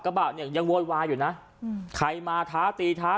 ก็แค่มีเรื่องเดียวให้มันพอแค่นี้เถอะ